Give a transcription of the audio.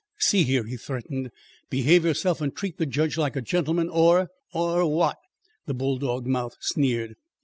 "See here!" he threatened. "Behave yourself and treat the judge like a gentleman or " "Or what?" the bulldog mouth sneered.